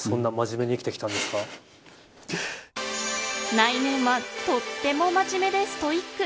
内面はとっても真面目でストイック。